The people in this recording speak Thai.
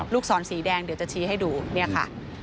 ศรสีแดงเดี๋ยวจะชี้ให้ดูเนี่ยค่ะ